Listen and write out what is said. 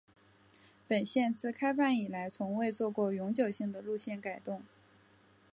本线自开办以来从未做过永久性的路线改动。